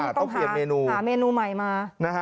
ต้องขายเมนูต้องขายเมนูใหม่มา